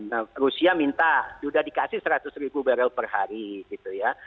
nah rusia minta sudah dikasih seratus ribu barrel per hari gitu ya